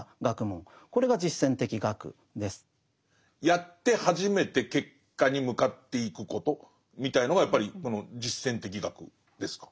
やって初めて結果に向かっていくことみたいのがやっぱりこの実践的学ですか？